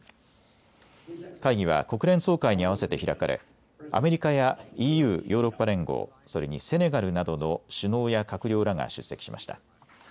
会議は国連総会に合わせて開かれ、アメリカやＥＵ・ヨーロッパ連合、それにセネガルなどの首脳や閣僚らが出席しました。